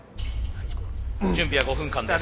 準備は５分間です。